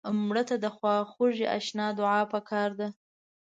مړه ته د خواخوږۍ اشنا دعا پکار ده